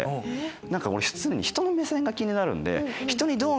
何か俺常に人の目線が気になるんで。